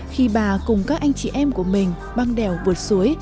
khi bà cùng các anh chị em của mình băng đèo vượt suối